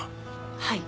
はい。